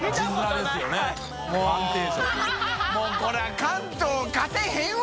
發これは関東勝てへんわ！